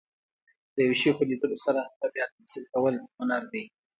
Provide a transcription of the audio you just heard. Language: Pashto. د یو شي په لیدلو سره هغه بیا تمثیل کول، هنر دئ.